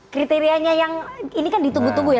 kriterianya yang ini kan ditunggu tunggu ya